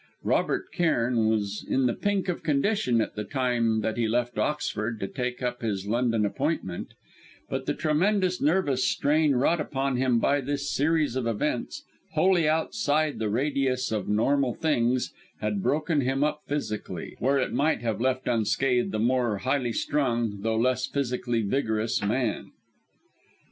Robert Cairn was in the pink of condition at the time that he left Oxford to take up his London appointment; but the tremendous nervous strain wrought upon him by this series of events wholly outside the radius of normal things had broken him up physically, where it might have left unscathed a more highly strung, though less physically vigorous man.